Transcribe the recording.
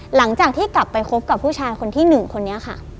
หลังจากที่กลับไปคบกับผู้ชายคนที่๑คนนี้ค่ะ